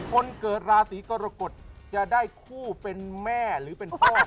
คนเกิดราศีกรกฎจะได้คู่เป็นแม่หรือเป็นพ่อ